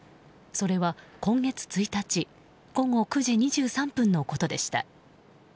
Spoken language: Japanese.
それは今月１日午後９時２３分のことでした。